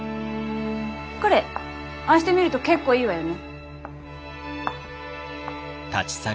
彼ああして見ると結構いいわよね。